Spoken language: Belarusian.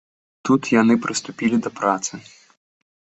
Тут яны прыступілі да працы.